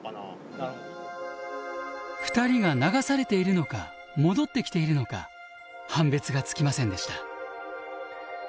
２人が流されているのか戻ってきているのか判別がつきませんでした。